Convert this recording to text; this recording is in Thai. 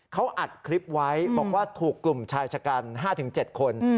เขาอัดคลิปไว้บอกว่าถูกกลุ่มชายชะกัน๕๗คน